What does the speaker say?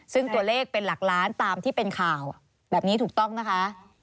ซึ่งตัวเลขเป็นหลักล้านตามที่เป็นข่าวแบบนี้ถูกต้องนะคะ